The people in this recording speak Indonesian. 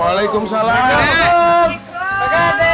waalaikumsalam pak gede